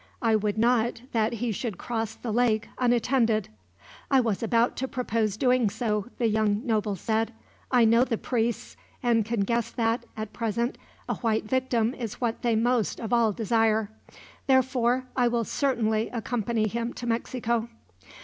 I would not that he should cross the lake unattended." "I was about to propose doing so," the young noble said. "I know the priests, and can guess that, at present, a white victim is what they most of all desire. Therefore, I will certainly accompany him to Mexico."